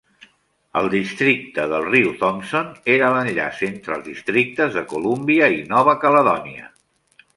El districte del riu Thompson era l'enllaç entre els districtes de Columbia i Nova Caledònia.